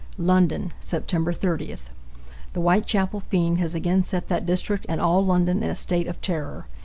London, Sept. 30. The Whitechapel fiend has again set that district and all London in a state of terror.